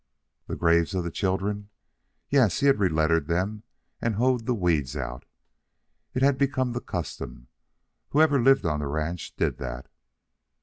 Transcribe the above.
The graves of the children? Yes, he had relettered them and hoed the weeds out. It had become the custom. Whoever lived on the ranch did that.